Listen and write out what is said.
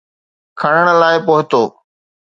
کڻڻ لاءِ پهتو.